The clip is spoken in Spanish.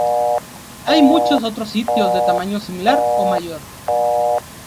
Hay muchos otros sitios de tamaño similar o mayor.